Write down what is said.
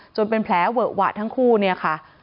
จนเป็นแผลเวอะหวะทั้งคู่ค่ะ